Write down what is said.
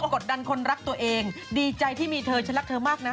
กดดันคนรักตัวเองดีใจที่มีเธอฉันรักเธอมากนะ